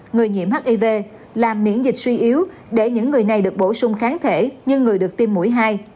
người nhiễm hiv làm miễn dịch suy yếu để những người này được bổ sung kháng thể như người được tiêm mũi hai